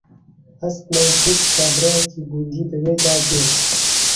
هەستمان کرد کابرایەکی گوندی بەوێدا دێت